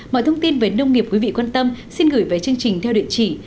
mọi thông tin về nông nghiệp quý vị quan tâm xin gửi về chương trình theo địa chỉ